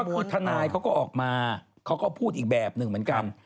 คือทนายเขาก็ออกมาเขาก็พูดอีกแบบหนึ่งเหมือนกัน